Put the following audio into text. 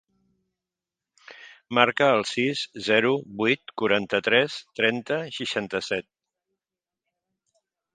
Marca el sis, zero, vuit, quaranta-tres, trenta, seixanta-set.